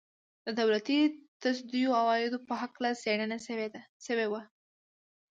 د دولتي تصدیو عوایدو په هکله څېړنه شوې وه.